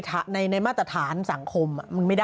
แต่ถ้าในมาตรฐานสังคมมันไม่ได้